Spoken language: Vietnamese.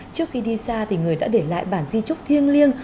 trước khi đi xa thì người đã để lại bản di trúc thiêng liêng